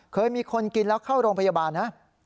เคยมีคนกินแล้วเข้าโรงพยาบาลนะ